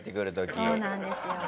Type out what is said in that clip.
そうなんですよね。